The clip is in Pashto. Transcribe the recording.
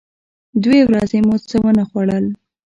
دوې ورځې مو څه و نه خوړل.